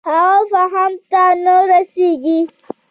هغه فهم ته نه رسېږي.